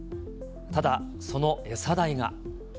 ただ、その餌代が。